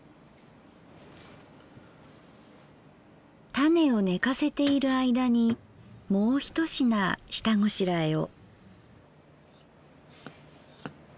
タネをねかせている間にもう一品下ごしらえを。